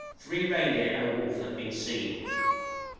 Three reindeer and a wolf have been seen.